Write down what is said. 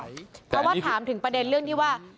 เพราะว่าถามถึงประเด็นเรื่องที่ว่า